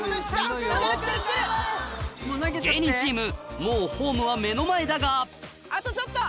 芸人チームもうホームは目の前だがあとちょっと！